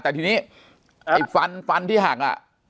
แต่ทีนี้อีวิฟันนที่หักอ่ะ